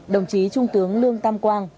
đồng chí trung tướng lương tam quang